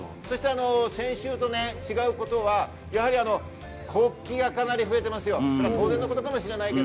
先週と違うことは国旗がかなり増えていますよ。